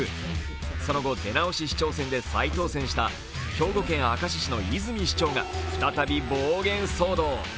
その後、出直し市長選で、再当選した兵庫県明石市の泉市長が再び暴言騒動。